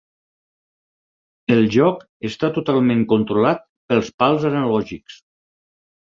El joc està totalment controlat pels pals analògics.